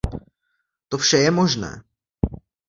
To vše je možné.